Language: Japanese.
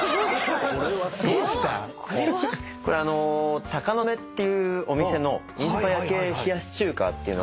これ鷹の目っていうお店のインスパイア系冷やし中華っていうのが。